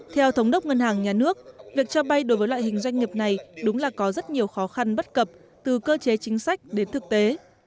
theo thống đốc ngân hàng nhà nước việc cho vay đối với loại hình doanh nghiệp này đúng là có rất nhiều khó khăn bất cập từ cơ chế chính sách đến thực tế